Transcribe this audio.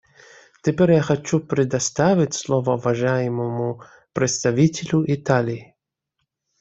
Теперь я хочу предоставить слово уважаемому представителю Италии.